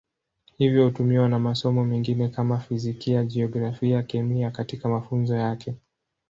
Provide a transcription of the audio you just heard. Hivyo hutumiwa na masomo mengine kama Fizikia, Jiografia, Kemia katika mafunzo yake.